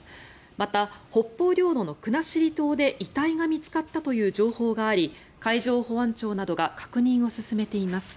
また、北方領土の国後島で遺体が見つかったという情報があり海上保安庁などが確認を進めています。